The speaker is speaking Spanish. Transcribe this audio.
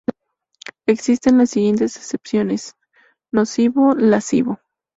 Existen las siguientes excepciones: nocivo, lascivo.